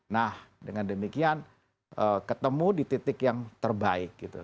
nah dengan demikian ketemu di titik yang terbaik gitu